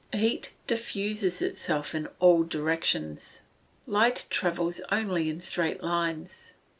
Heat diffuses itself in all directions. Light travels only in straight lines.